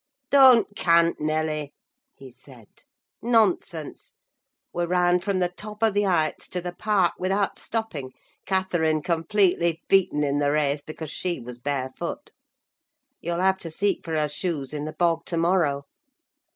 "Don't cant, Nelly," he said: "nonsense! We ran from the top of the Heights to the park, without stopping—Catherine completely beaten in the race, because she was barefoot. You'll have to seek for her shoes in the bog to morrow.